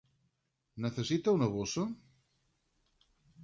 Necessita una bossa?